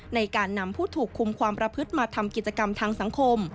ในการนำผู้ถูกคุมความประพฤติมาทำกิจกรรมทางสังคม